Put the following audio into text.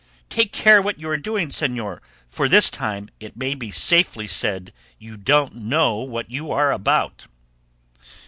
Take care what you are doing, señor, for this time it may be safely said you don't know what you are about."